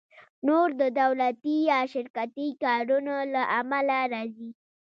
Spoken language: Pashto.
نور د دولتي یا شرکتي کارونو له امله راځي